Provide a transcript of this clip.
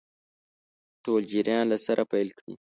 ټول جریان له سره پیل کړي.